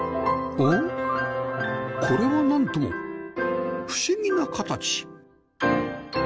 おっ？これはなんとも不思議な形